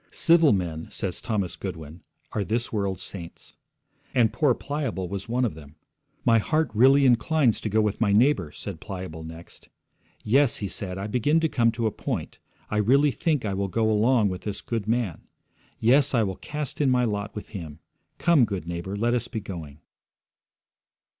'Civil men,' says Thomas Goodwin, 'are this world's saints.' And poor Pliable was one of them. 'My heart really inclines to go with my neighbour,' said Pliable next. 'Yes,' he said, 'I begin to come to a point. I really think I will go along with this good man. Yes, I will cast in my lot with him. Come, good neighbour, let us be going.'